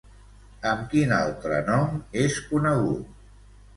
Amb quin altre nom és conegut?